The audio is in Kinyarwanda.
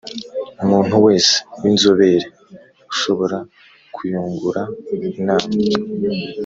muntu wese w inzobere ushobora kuyungura inama